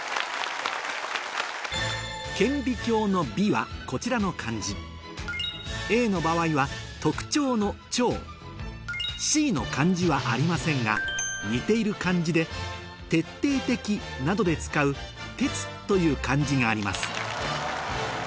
「顕微鏡」の「微」はこちらの漢字Ａの場合は「特徴」の「徴」Ｃの漢字はありませんが似ている漢字で「徹底的」などで使う「徹」という漢字があります